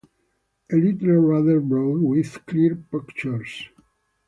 Elytra rather broad with clear punctures.